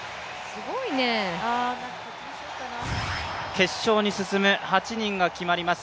決勝に進む８人が決まります